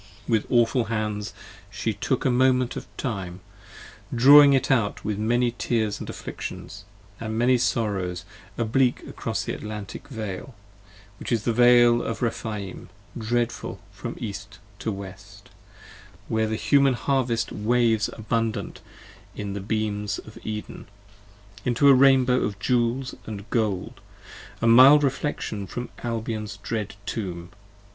With awful hands she took A Moment of Time, drawing it out with many tears & afflictions And many sorrows: oblique across the Atlantic Vale, Which is the Vale of Rephaim dreadful from East to West, Where the Human Harvest waves abundant in the beams of Eden: 35 Into a Rainbow of jewels and gold, a mild Reflection from Albion's dread Tomb.